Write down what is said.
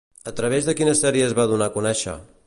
A través de quina sèrie es va donar a conèixer?